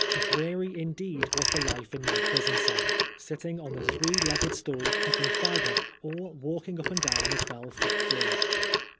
Dreary indeed was the life in my prison cell, sitting on the three legged stool picking fibre, or walking up and down the twelve foot floor.